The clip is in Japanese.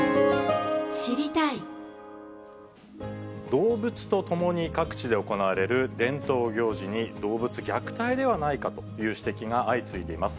動物とともに各地で行われる伝統行事に、動物虐待ではないかという指摘が相次いでいます。